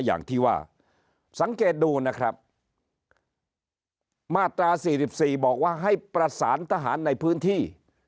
อย่างที่ว่าสังเกตดูนะครับมาตรา๔๔บอกว่าให้ประสานทหารในพื้นที่